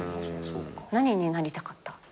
何になりたかった？